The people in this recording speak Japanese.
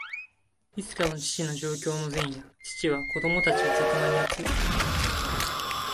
いつかの父の上京の前夜、父は子供たちを客間に集め、